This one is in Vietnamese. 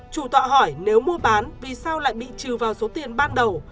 chủ tọa hỏi nếu mua bán vì sao lại bị trừ vào số tiền ban đầu